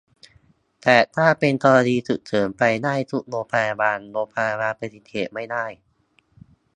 แต่ถ้าเป็นกรณีฉุกเฉิน ไปได้ทุกโรงพยาบาล โรงพยาบาลปฏิเสธไม่ได้